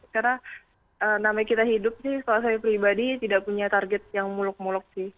karena nama kita hidup sih soal saya pribadi tidak punya target yang muluk muluk sih